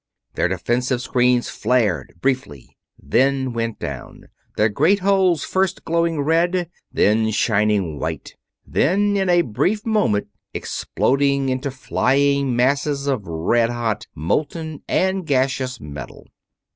Their defensive screens flared briefly, then went down; their great hulls first glowing red, then shining white, then in a brief moment exploding into flying masses of red hot, molten, and gaseous metal.